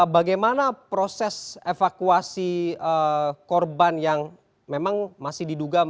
bagaimana proses evakuasi korban yang memang masih diduga